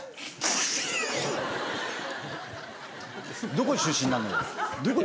どこ出身なの？